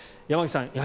山口さん